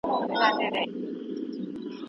د ناوړه تعامل د اسبابو ريښې پيدا او غوڅي کړئ.